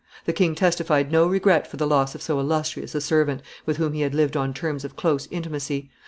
The king testified no regret for the loss of so illustrious a servant, with whom he had lived on terms of close intimacy.